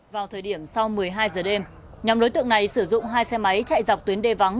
vào thời điểm sau một mươi hai giờ đêm nhóm đối tượng này sử dụng hai xe máy chạy dọc tuyến đê vắng